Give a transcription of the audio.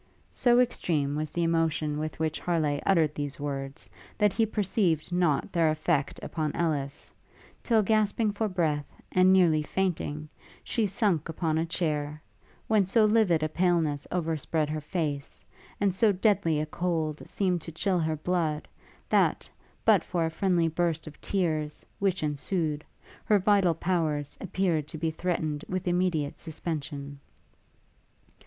So extreme was the emotion with which Harleigh uttered these words, that he perceived not their effect upon Ellis, till gasping for breath, and nearly fainting, she sunk upon a chair; when so livid a paleness overspread her face, and so deadly a cold seemed to chill her blood, that, but for a friendly burst of tears, which ensued, her vital powers appeared to be threatened with immediate suspension.